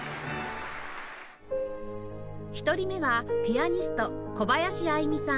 １人目はピアニスト小林愛実さん